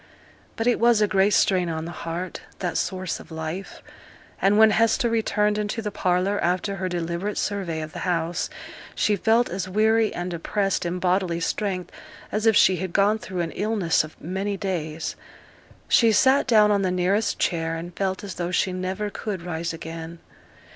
But it was a great strain on the heart, that source of life; and when Hester returned into the parlour, after her deliberate survey of the house, she felt as weary and depressed in bodily strength as if she had gone through an illness of many days. She sate down on the nearest chair, and felt as though she never could rise again.